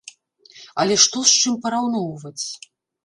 Але што з чым параўноўваць?